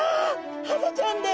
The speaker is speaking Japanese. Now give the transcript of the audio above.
ハゼちゃんです。